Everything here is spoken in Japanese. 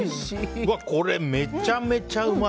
これめちゃめちゃうまい！